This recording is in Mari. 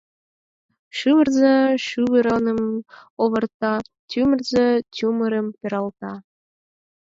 Шӱвырзӧ шӱвыроҥым оварта, тӱмырзӧ тӱмырым пералта.